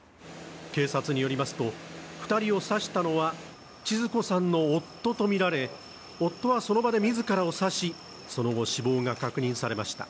警察によりますと、２人を刺したのはちづ子さんの夫とみられ、夫はその場で自らを刺しその後、死亡が確認されました。